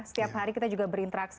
setiap hari kita juga berinteraksi